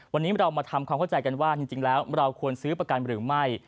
วันนี้เรามาทำความเข้าใจกันว่าจริงแล้วเราควรซื้อประกันหรือไม่